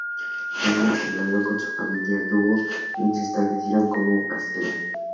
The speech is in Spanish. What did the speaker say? De niño se trasladó con su familia a Lugo, donde se establecieron como pasteleros.